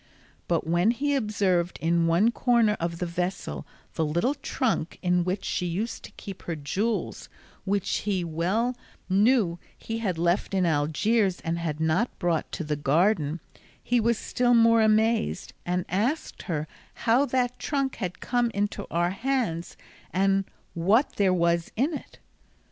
But when he observed in one corner of the vessel the little trunk in which she used to keep her jewels, which he well knew he had left in Algiers and had not brought to the garden, he was still more amazed, and asked her how that trunk had come into our hands, and what there was in it.